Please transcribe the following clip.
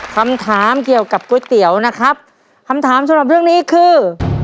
คำถามเกี่ยวกับก๋วยเตี๋ยวนะครับคำถามสำหรับเรื่องนี้คือ